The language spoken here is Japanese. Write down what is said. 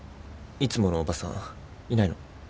いつものおばさんいないの？